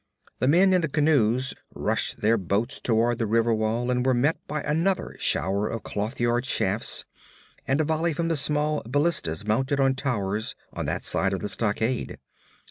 The men in the canoes rushed their boats toward the river wall, and were met by another shower of clothyard shafts and a volley from the small ballistas mounted on towers on that side of the stockade.